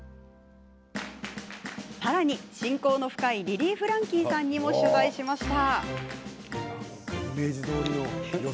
さらに、親交の深いリリー・フランキーさんにも取材しました。